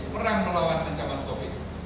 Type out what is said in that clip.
perang melawan ancaman covid sembilan belas